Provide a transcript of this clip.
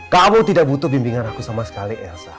kamu tidak butuh bimbingan aku sama sekali elsa